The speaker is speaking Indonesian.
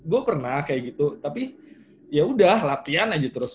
gue pernah kayak gitu tapi yaudah latihan aja terus